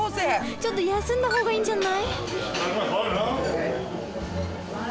ちょっと休んだ方がいいんじゃない？